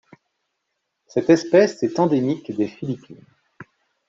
Cette espèce est endémique des Philippines.